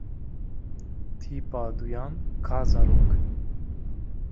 Tîpa duyan ka zarok.